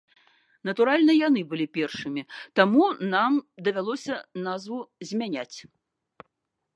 Натуральна, яны былі першымі, таму нам давялося назву змяняць.